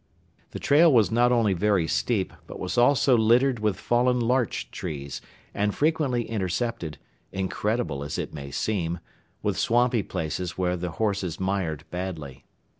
The trail was not only very steep but was also littered with fallen larch trees and frequently intercepted, incredible as it may seem, with swampy places where the horses mired badly.